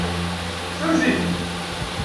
Sens-itt.